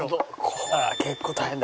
これは結構大変だ。